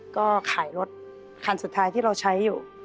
ก็ขายรถคันสุดท้ายที่เราใช้อยู่